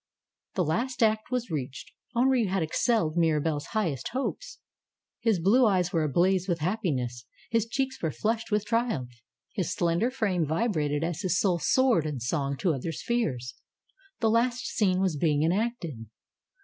The last act was reached. Henri had excelled Mira belle's highest hopes. His blue eyes were ablaze with happiness; his cheeks were flushed with the triumph; his slender frame vibrated as his soul soared in song to other spheres. The last scene was being enacted.